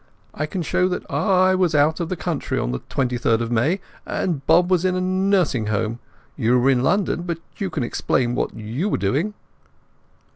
I can show that I was out of the country on the 23rd of May, and Bob was in a nursing home. You were in London, but you can explain what you were doing."